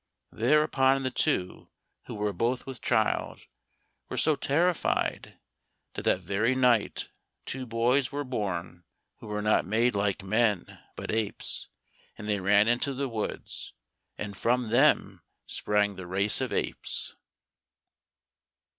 Thereupon the two, who were both with child, were so terrified that that very night two boys were born who were not made like men but apes, and they ran into the woods, and from them sprang the race of apes.